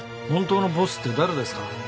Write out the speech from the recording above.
本当のボスって誰ですか？